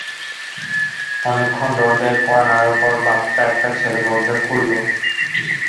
অনেকক্ষণ দরজার কড়া নাড়ার পর বাচ্চা একটা ছেলে দরজা খুলল।